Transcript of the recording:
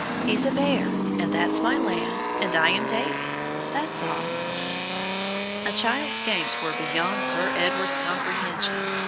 He's a bear, and that's my lamb, and I am David; that's all." A child's games were beyond Sir Edward's comprehension.